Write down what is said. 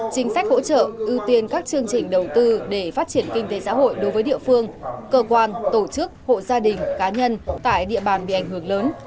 chính sách hỗ trợ ưu tiên các chương trình đầu tư để phát triển kinh tế xã hội đối với địa phương cơ quan tổ chức hộ gia đình cá nhân tại địa bàn bị ảnh hưởng lớn